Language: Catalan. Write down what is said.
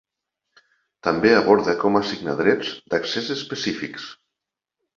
També aborda com assignar drets d'accés específics.